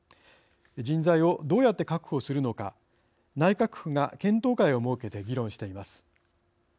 人材をどうやって確保するのか内閣府が検討会を設けて議論しています。